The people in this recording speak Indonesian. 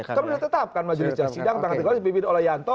kan sudah ditetapkan majelis sidang tanggal tiga belas dipimpin oleh yanto